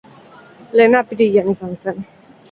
Lehena apirilean izan zen.